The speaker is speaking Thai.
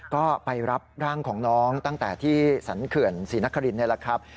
ก็ไปรับร่างของน้องตั้งแต่ที่สรรเขื่อนศรีนครินนี่แหละครับ